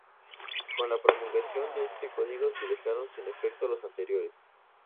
Con la promulgación de este código se dejaron sin efecto los anteriores.